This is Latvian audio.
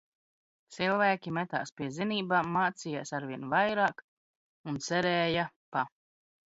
Cilv?ki met?s pie zin?b?m, m?c?j?s arvien vair?k un cer?ja pa